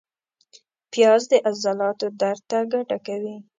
پیاز د عضلاتو درد ته ګټه کوي